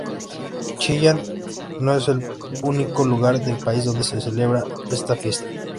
Chillán no es el único lugar del país donde se celebra esta fiesta.